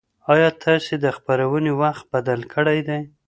ایا تاسي د خپرونې وخت بدل کړی دی؟